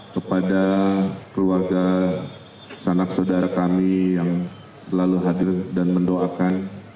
kepada keluarga sanak saudara kami yang selalu hadir dan mendoakan